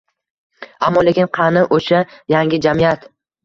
Ammo-lekin qani o‘sha yangi jamiyat?